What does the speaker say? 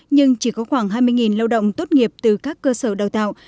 nhưng chỉ có khoảng hai mươi lao động tốt nghiệp từ các cơ sở đào tạo